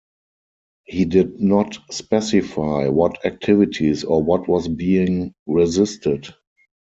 He did not specify what activities or what was being resisted.